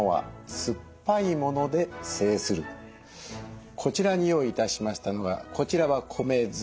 それはこちらに用意致しましたのがこちらは米酢。